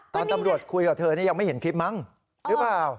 ตอนตำรวจคุยกับเธอนี่ยังไม่เห็นคลิปมั้งหรือเปล่า